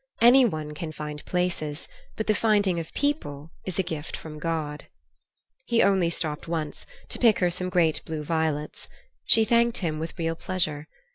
Any one can find places, but the finding of people is a gift from God. He only stopped once, to pick her some great blue violets. She thanked him with real pleasure.